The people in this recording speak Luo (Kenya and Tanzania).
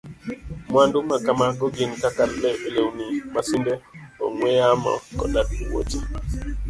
Mwandu makamago gin kaka lewni, masinde, ong'we yamo, koda wuoche.